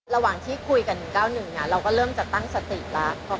ระหว่างที่คุยกัน๑๙๑เราก็เริ่มจะตั้งสติแล้ว